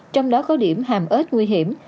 trong đó có điểm hàm ếch nguy hiểm